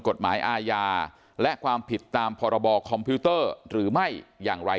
กฎหมายอาญาและความผิดตามพรบคอมพิวเตอร์หรือไม่อย่างไร